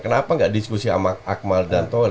kenapa nggak diskusi sama akmal dan ton